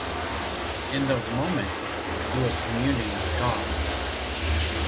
In those moments, he was communing with God.